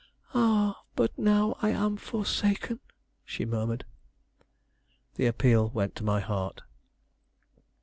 "Ah, but now I am forsaken!" she murmured. The appeal went to my heart.